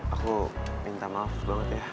aku minta maaf banget ya